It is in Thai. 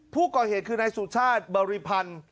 ผู้ก่อเหตุคือนายสุชาติบริพันธ์